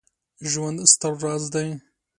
ژوند ستر راز دی